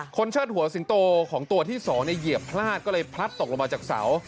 เชิดหัวสิงโตของตัวที่๒เหยียบพลาดก็เลยพลัดตกลงมาจากเสา